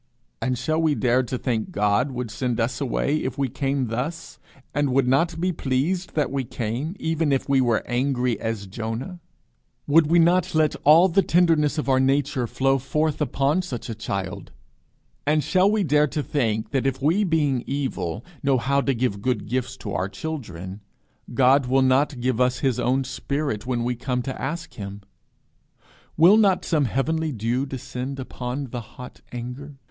And shall we dare to think God would send us away if we came thus, and would not be pleased that we came, even if we were angry as Jonah? Would we not let all the tenderness of our nature flow forth upon such a child? And shall we dare to think that if we being evil know how to give good gifts to our children, God will not give us his own spirit when we come to ask him? Will not some heavenly dew descend cool upon the hot anger?